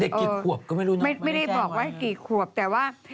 กี่ขวบก็ไม่รู้นะไม่ได้บอกว่ากี่ขวบแต่ว่า